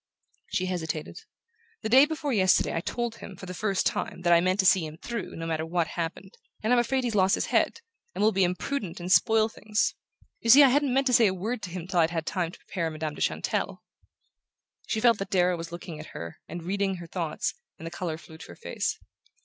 She hesitated. "The day before yesterday I told him, for the first time, that I meant to see him through, no matter what happened. And I'm afraid he's lost his head, and will be imprudent and spoil things. You see, I hadn't meant to say a word to him till I'd had time to prepare Madame de Chantelle." She felt that Darrow was looking at her and reading her thoughts, and the colour flew to her face.